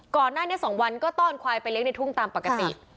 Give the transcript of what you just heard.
ก่อนหน้านี้๒วันก็ต้อนควายไปเลี้ยในทุ่งตามปกติ